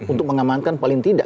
untuk mengamankan paling tidak